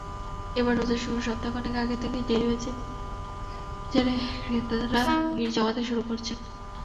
এবার রোজা শুরুর সপ্তাহখানেক আগে থেকেই টেরিবাজারে ক্রেতারা ভিড় জমাতে শুরু করেছেন।